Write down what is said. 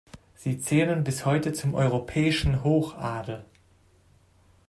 Sie zählen bis heute zum europäischen Hochadel.